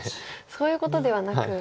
そういうことではなく。